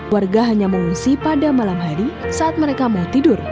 warga hanya mengungsi pada malam hari saat mereka mau tidur